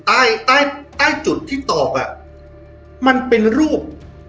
ใต้ใต้จุดที่ตอกอ่ะมันเป็นรูป